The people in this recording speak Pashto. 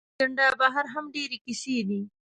له اجنډا بهر هم ډېرې کیسې دي.